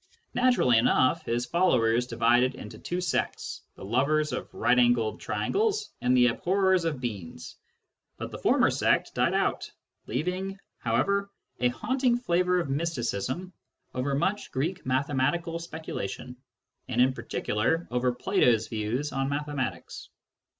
Naturally enough, his followers divided into two sects, the lovers of right angled triangles and the abhorrers of beans ; but the former sect died out, leaving, however, a haunting flavour of mysticism over much Greek mathematical speculation, and in particular over Plato's views on mathematics.